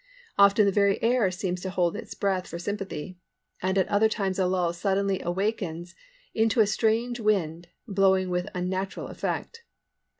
Often the very air seems to hold its breath for sympathy; at other times a lull suddenly awakens into a strange wind, blowing with unnatural effect.